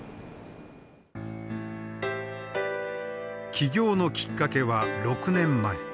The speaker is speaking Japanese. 起業のきっかけは６年前。